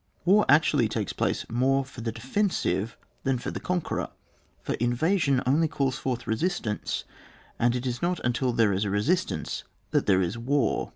War actually takes place more for the defen sive than for the conqueror, for invasion only calls forth resistance, and it is not imtil there is resistance that there is war.